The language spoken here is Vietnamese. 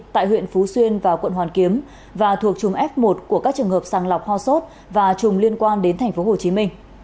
tại huyện phú xuyên và quận hoàn kiếm và thuộc trùng f một của các trường hợp sàng lọc ho sốt và trùng liên quan đến tp hcm